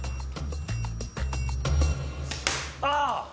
ああ！